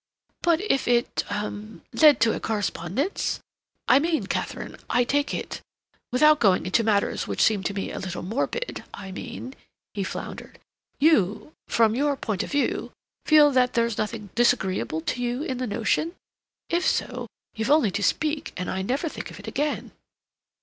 "But if it—hum—led to a correspondence? I mean, Katharine, I take it, without going into matters which seem to me a little morbid, I mean," he floundered, "you, from your point of view, feel that there's nothing disagreeable to you in the notion? If so, you've only to speak, and I never think of it again."